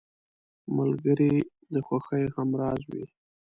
ملګری د خوښیو همراز وي